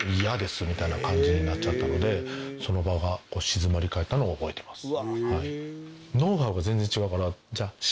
みたいな感じになっちゃったのでその場がこう静まり返ったのは覚えてます。